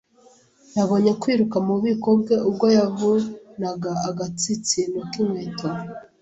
Yabonye kwiruka mububiko bwe ubwo yavunaga agatsinsino k'inkweto.